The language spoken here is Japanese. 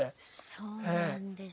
そうなんですよ。